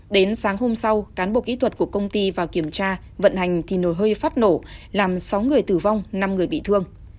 đến sáng hôm sau cán bộ kỹ thuật của công ty vào kiểm tra vận hành thì nồi hơi phát nổ làm sáu người tử vong năm người bị thương